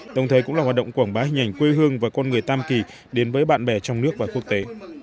đồng thời cũng là hoạt động quảng bá hình ảnh quê hương và con người tam kỳ đến với bạn bè trong nước và quốc tế